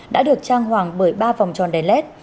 đã được trang hoàng bởi ba vòng tròn đèn led